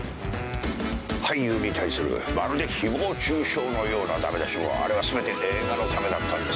俳優に対するまるで誹謗中傷のような駄目出しもあれは全て映画のためだったんです。